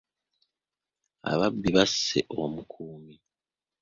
Ababbi basse omukuumi.